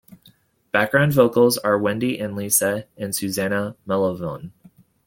Background vocals are Wendy and Lisa, and Susannah Melvoin.